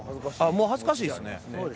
もう恥ずかしいっすね。